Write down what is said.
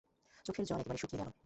চোখের জল একেবারে শুকিয়ে গেল।